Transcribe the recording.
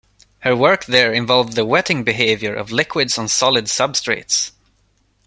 Her work there involved the wetting behavior of liquids on solid substrates.